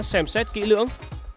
xem xét kỹ lưỡng